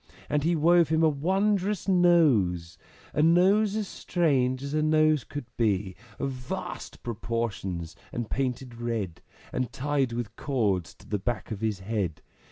And he wove him a wondrous Nose, A Nose as strange as a Nose could be! Of vast proportions and painted red, And tied with cords to the back of his head.